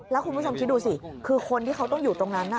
แล้วคุณผู้ชมคิดดูสิคือคนที่เขาต้องอยู่ตรงนั้น